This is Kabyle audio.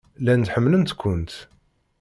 Llant ḥemmlent-kent.